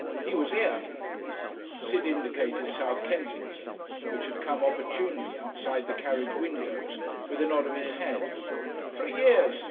He was here " Sid indicated South Kensington, which had come opportunely outside the carriage windows, with a nod of his head, " three years.